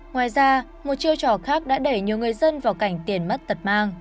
ngoài ra một chiêu trò khác đã đẩy nhiều người dân vào cảnh tiền mất tật mang